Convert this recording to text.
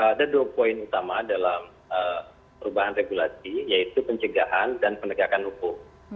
ada dua poin utama dalam perubahan regulasi yaitu pencegahan dan penegakan hukum